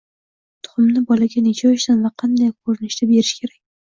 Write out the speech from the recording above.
Tuxumni bolaga necha yoshdan va qanday ko‘rinishda berish kerak?